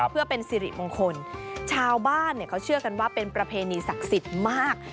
เพื่อเป็นสิริมงคลชาวบ้านเนี่ยเขาเชื่อกันว่าเป็นประเพณีศักดิ์สิทธิ์มาก